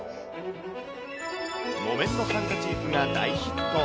木綿のハンカチーフが大ヒット。